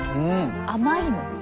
甘いの？